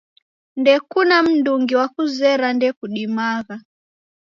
Ndekuna mndungi wakuzera ndekudimagha